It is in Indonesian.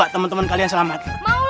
teman teman kalian selamat